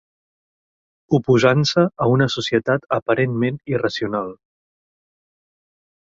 Oposant-se a una societat aparentment irracional.